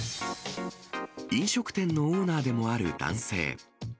飲食店のオーナーでもある男性。